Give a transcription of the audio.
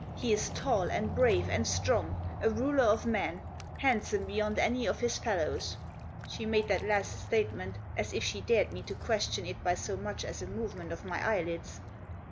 He is tall, and brave, and strong ; a ruler of men; handsome beyond any of his fellows." She made that last statement as if she dared me to ques tion it by so much as a movement of my eyelids.